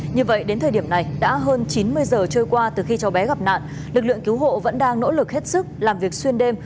như vậy đến thời điểm này đã hơn chín mươi giờ trôi qua từ khi cho bé gặp nạn